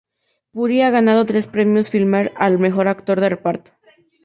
Puri ha ganado tres premios Filmfare al Mejor Actor de Reparto.